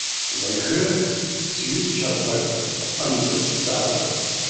Уажәы сҩызцәақәак рҟынӡа сцароуп.